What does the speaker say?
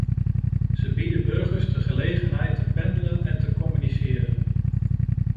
Ze bieden burgers de gelegenheid te pendelen en te communiceren.